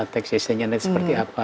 teks extensionnya seperti apa